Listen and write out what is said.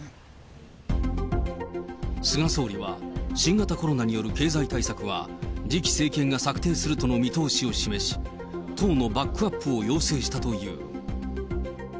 菅総理は、新型コロナによる経済対策は次期政権が策定するとの見通しを示し、党のバックアップを要請したという。